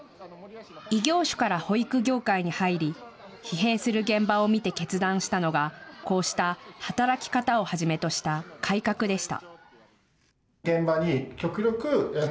異業種から保育業界に入り疲弊する現場を見て決断したのがこうした働き方をはじめとした改革でした。